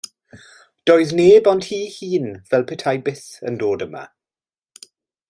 Doedd neb ond hi'i hun fel petai byth yn dod yma.